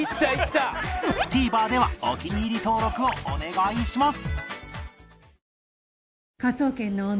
ＴＶｅｒ ではお気に入り登録をお願いします